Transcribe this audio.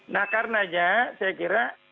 nah karenanya saya kira